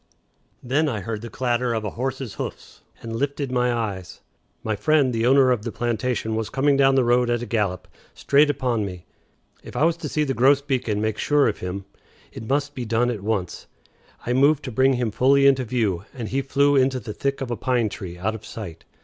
Then I heard the clatter of a horse's hoofs, and lifted my eyes. My friend the owner of the plantation was coming down the road at a gallop, straight upon me. If I was to see the grosbeak and make sure of him, it must be done at once. I moved to bring him fully into view, and he flew into the thick of a pine tree out of sight.